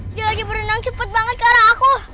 dia lagi berenang cepat banget ke arah aku